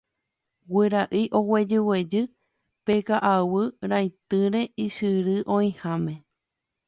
Guyra'i oguejyguejy pe ka'aguy ra'ytýre ysyry oĩháme